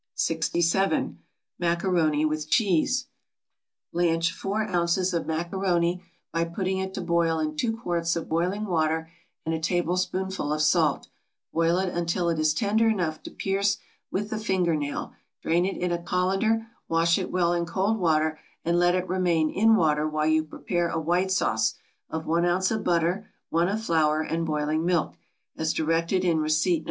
67. =Macaroni with Cheese.= Blanch four ounces of macaroni by putting it to boil in two quarts of boiling water and a tablespoonful of salt; boil it until it is tender enough to pierce with the finger nail, drain it in a colander, wash it well in cold water, and let it remain in water while you prepare a white sauce of one ounce of butter, one of flour, and boiling milk, as directed in receipt No.